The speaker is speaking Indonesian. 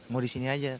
mau disini aja